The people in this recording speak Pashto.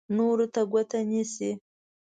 نورو ته ګوته نیسي.